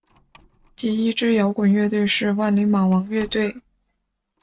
第一支摇滚乐队是万李马王乐队。